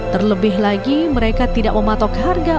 terlebih lagi mereka tidak mematok harga